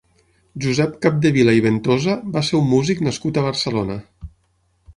Josep Capdevila i Ventosa va ser un músic nascut a Barcelona.